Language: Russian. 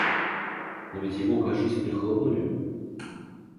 Но ведь его кажись прихлопнули?